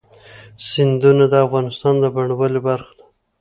سیندونه د افغانستان د بڼوالۍ برخه ده.